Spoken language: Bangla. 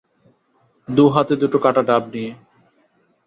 দু হাতে দুটো কাটা ডাব নিয়ে।